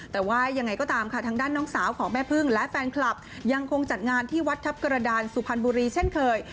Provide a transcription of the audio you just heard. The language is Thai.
แต่ว่ายังไงก็ตามค่ะทางด้านน้องสาวของแม่พึ่งและแฟนคลับยังคงจัดงานที่วัดทัพกระดานสุพรรณบุรีเช่นเคย